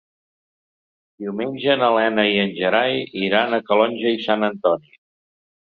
Diumenge na Lena i en Gerai iran a Calonge i Sant Antoni.